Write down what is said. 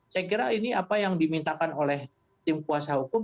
saya kira ini apa yang dimintakan oleh tim kuasa hukum